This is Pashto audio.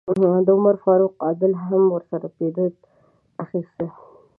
د عمر فاروق عادل هم ورسره پیرډ اخیسته.